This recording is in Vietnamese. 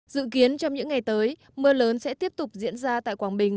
dự kiến trong những ngày tới mưa lớn sẽ tiếp tục diễn ra tại quảng bình